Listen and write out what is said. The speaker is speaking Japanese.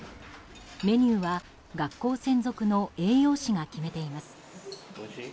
メニューは、学校専属の栄養士が決めています。